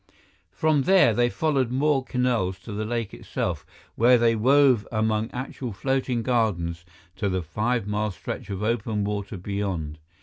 From there, they followed more canals to the lake itself, where they wove among actual floating gardens to the five mile stretch of open water beyond.